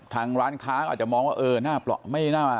ทางร้านค้าก็จะมองว่าเออน่าปลอดภัย